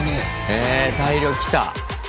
へえ大漁来た。